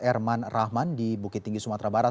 erman rahman di bukit tinggi sumatera barat